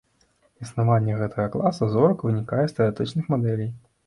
Існаванне гэтага класа зорак вынікае з тэарэтычных мадэлей.